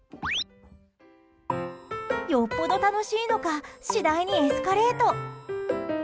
よっぽど楽しいのか次第にエスカレート。